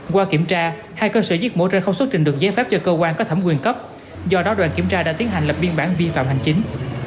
qua kiểm tra hai cơ sở giết mổ ra không xuất trình được giấy phép cho cơ quan có thẩm quyền cấp do đó đoàn kiểm tra đã tiến hành lập biên bản vi phạm hành chính